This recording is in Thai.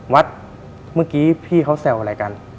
วัดเมื่อกี้พี่เขาแซวอะไรกัน